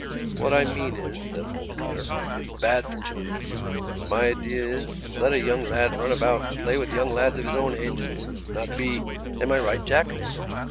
"What I mean is," said old Cotter, "it's bad for children. My idea is: let a young lad run about and play with young lads of his own age and not be.... Am I right, Jack?"